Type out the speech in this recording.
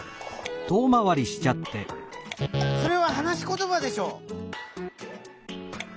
「それははなしことばでしょ！」。